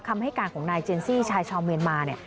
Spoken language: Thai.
คำให้การของนายเจนซี่ชายชาวเมียนมาเนี่ย